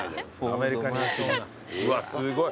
うわすごい。